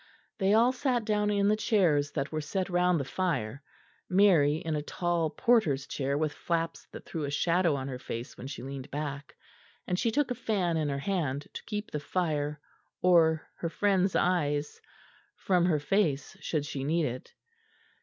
They all sat down in the chairs that were set round the fire, Mary in a tall porter's chair with flaps that threw a shadow on her face when she leaned back; and she took a fan in her hand to keep the fire, or her friends' eyes, from her face should she need it.